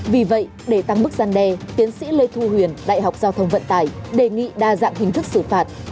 vì vậy để tăng mức gian đe tiến sĩ lê thu huyền đại học giao thông vận tải đề nghị đa dạng hình thức xử phạt